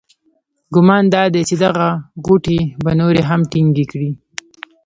ګمان دادی چې دغه غوټې به نورې هم ټینګې کړي.